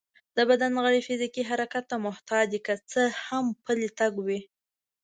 د بدن غړي فزيکي حرکت ته محتاج دي، که څه هم پلی تګ وي